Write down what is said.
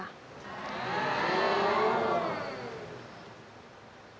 ใช่ค่ะ